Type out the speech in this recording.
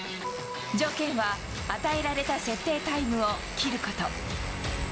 条件は与えられた設定タイムを切ること。